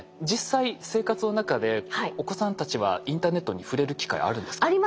実際生活の中でお子さんたちはインターネットに触れる機会あるんですか？